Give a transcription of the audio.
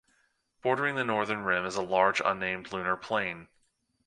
Bordering the northern rim is a large, unnamed lunar plain.